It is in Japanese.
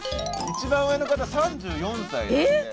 一番上の方３４歳ですね。